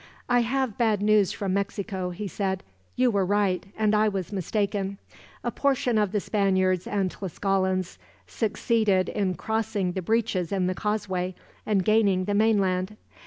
"I have bad news from Mexico," he said. "You were right, and I was mistaken. A portion of the Spaniards and Tlascalans succeeded in crossing the breaches in the causeway, and gaining the mainland.